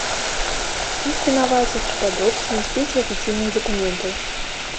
Іх вінавацяць у падробцы і збыце афіцыйных дакументаў.